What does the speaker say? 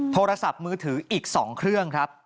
โทรศัพท์มือถืออีก๒เครื่องครับ